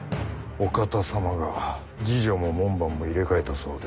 お方様が侍女も門番も入れ替えたそうで。